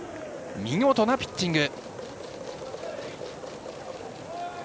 見事なピッチング。